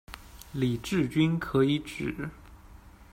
李志军可以指：